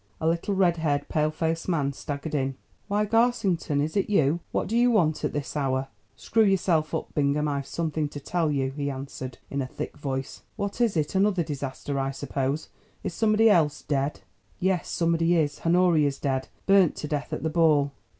A little red haired, pale faced man staggered in. "Why, Garsington, is it you? What do you want at this hour?" "Screw yourself up, Bingham, I've something to tell you," he answered in a thick voice. "What is it? another disaster, I suppose. Is somebody else dead?" "Yes; somebody is. Honoria's dead. Burnt to death at the ball."